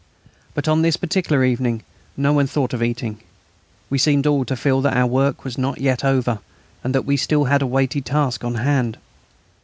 But on this particular evening no one thought of eating. We seemed all to feel that our work was not yet over, and that we had still a weighty task on hand.